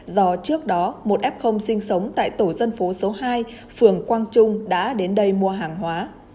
do trước đó một f sinh sống tại tổ dân phố số hai phường quang trung đã đến đây mua hàng hóa